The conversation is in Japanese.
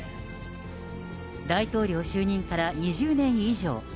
大統領就任から２０年以上。